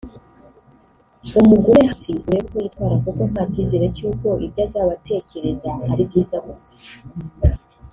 umugume hafi urebe uko yitwara kuko nta cyizere cy’uko ibyo azaba atekereza ari ibyiza gusa